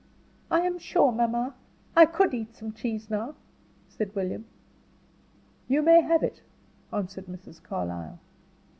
"I am sure, mamma, I could eat some cheese now," said William. "You may have it," answered Mrs. Carlyle.